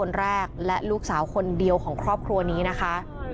แรกและลูกสาวคนเดียวของครอบครัวนี้นะคะ